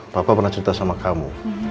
bapak pernah cerita sama kamu